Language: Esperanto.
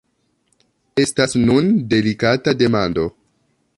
Estas nun delikata demando.